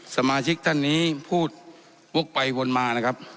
สมาชิกท่านนี้พูดวกไปวนมานะครับ